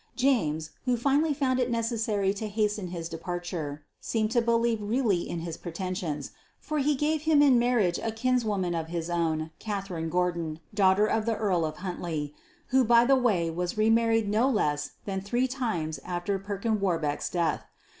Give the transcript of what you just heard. James, who finally found it necessary to hasten his departure, seemed to believe really in his pretensions, for he gave him in marriage a kinswoman of his own, Catherine Gordon, daughter of the Earl of Huntly who by the way was re married no less than three times after Perkin Warbeck's death.